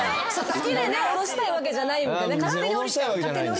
好きでね下ろしたいわけじゃない。